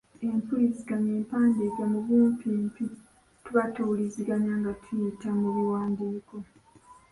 Empuliziganya empandiike mu bumpimpi tuba tuwuliziganya nga tuyita mu biwandiiko.